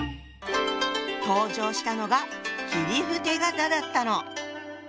登場したのが切符手形だったの。